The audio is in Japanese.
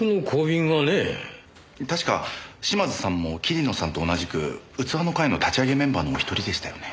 確か島津さんも桐野さんと同じく器の会の立ち上げメンバーのお一人でしたよね？